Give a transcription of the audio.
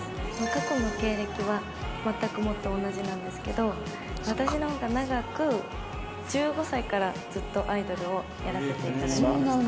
過去の経歴は全くもって同じなんですけど私の方が長く１５歳からずっとアイドルをやらせて頂いてました。